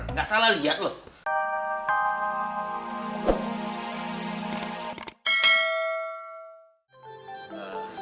nggak salah liat loh